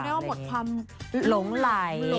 ว่าหมดความหลงไหล